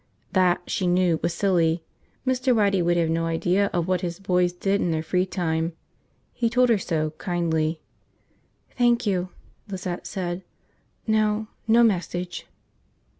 That, she knew, was silly. Mr. Waddy would have no idea of what his boys did in their free time. He told her so, kindly. "Thank you," Lizette said, "... No, no message."